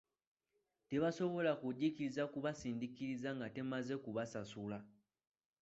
Tebasobola kugikkiriza kubasindiikiriza nga temaze kubasasula.